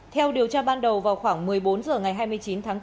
theo điều tra ban đầu vào khoảng một mươi bốn h ngày hai mươi chín tháng bốn